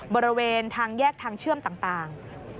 บริเวณทางแยกทางเชื่อมต่าง